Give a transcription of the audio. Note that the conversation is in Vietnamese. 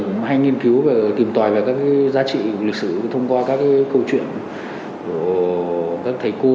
cũng hay nghiên cứu và tìm tòi về các giá trị lịch sử thông qua các câu chuyện của các thầy cô